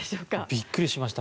びっくりしました。